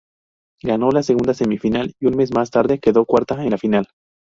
Ganó la segunda semifinal, y un mes más tarde quedó cuarta en la final.